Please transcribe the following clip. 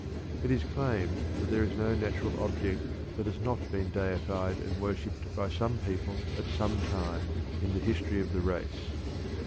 It is claimed that there is no natural object that has not been deified and worshiped by some people at some time in the history of the race.